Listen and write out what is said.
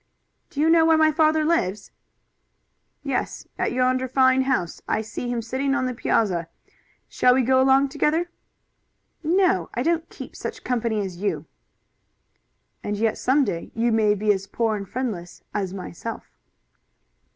"Do you know where my father lives?" "Yes, at yonder fine house. I see him sitting out on the piazza. Shall we go along together?" "No, I don't keep such company as you." "And yet some day you may be as poor and friendless as myself."